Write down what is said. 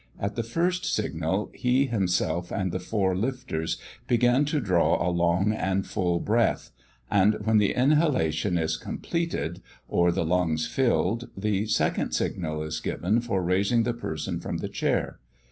At the first signal, he himself and the four lifters begin to draw a long and full breath, and when the inhalation is completed, or the lungs filled, the second signal is given for raising the person from the chair.